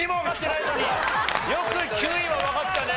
よく９位はわかったね。